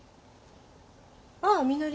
ああみのり。